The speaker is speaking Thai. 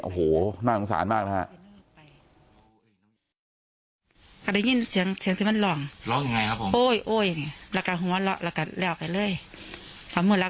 โอ้โหน่าสงสารมากนะฮะ